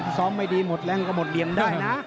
ไม่ดีหมดแรงก็หมดเหลี่ยมได้นะ